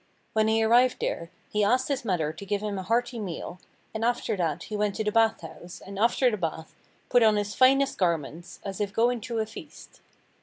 When he arrived there, he asked his mother to give him a hearty meal, and after that he went to the bath house and after the bath put on his finest garments, as if going to a feast.